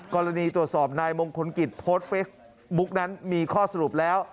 กรณีตรวจสอบนายมงคลกิจโพสต์เฟซบุ๊กนั้นมีข้อสรุปแล้ว